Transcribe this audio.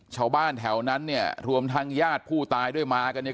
ชาวบ้านแถวนั้นเนี่ยรวมทางญาติผู้ตายด้วยมากันเนี่ย